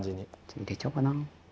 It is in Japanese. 全部入れちゃおうかな。